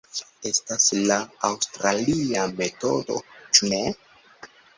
Estas la aŭstralia metodo, ĉu ne?